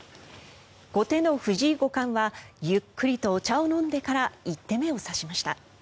後手の藤井五冠はゆっくりとお茶を飲んでから１手目を指しました。